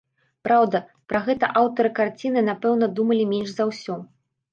Праўда, пра гэта аўтары карціны, напэўна, думалі менш за ўсё.